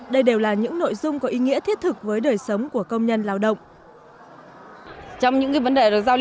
đây đều là những nội dung có ý nghĩa thiết thực với đời sống của công nhân lao động